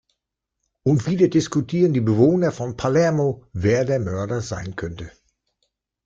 Und wieder diskutieren die Bewohner von Palermo, wer der Mörder sein könnte.